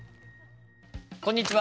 こんにちは。